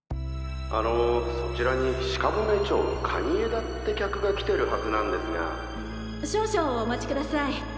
あのそちらに鹿骨町の蟹江田って客が来てるハズなんですが少々お待ちください。